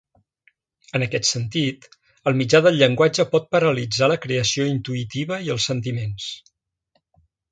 En aquest sentit el mitjà del llenguatge pot paralitzar la creació intuïtiva i els sentiments.